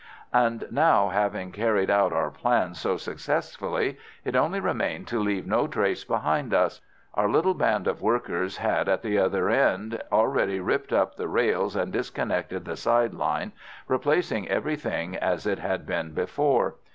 "And now, having carried out our plans so successfully, it only remained to leave no trace behind us. Our little band of workers at the other end had already ripped up the rails and disconnected the side line, replacing everything as it had been before.